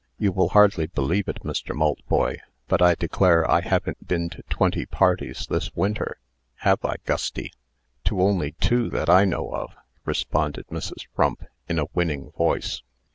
You will hardly believe it, Mr. Maltboy, but I declare I haven't been to twenty parties this winter have I, Gusty?" "To only two that I know of," responded Mrs. Frump, in a winning voice.